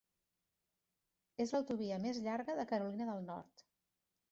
És l'autovia més llarga de Carolina del Nord.